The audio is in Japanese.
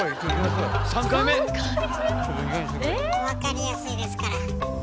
分かりやすいですから。